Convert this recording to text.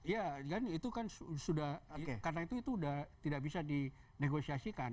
ya kan itu kan sudah karena itu sudah tidak bisa dinegosiasikan